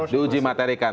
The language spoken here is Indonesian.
di uji materikan